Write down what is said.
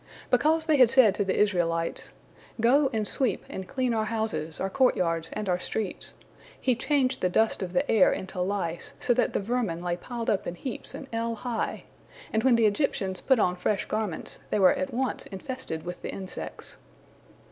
Because they had said to the Israelites, "Go and sweep and clean our houses, our courtyards, and our streets," He changed the dust of the air into lice, so that the vermin lay piled up in heaps an ell high, and when the Egyptians put on fresh garments, they were at once infested with the insects.